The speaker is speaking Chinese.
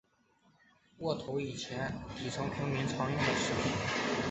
窝头以前是底层平民常用的食品。